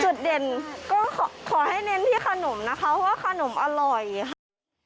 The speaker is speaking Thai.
จุดเด่นก็ขอให้เน้นที่ขนมนะคะว่าขนมอร่อยค่ะ